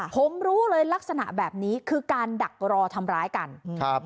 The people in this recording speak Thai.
ผมรู้เลยลักษณะแบบนี้คือการดักรอทำร้ายกันครับ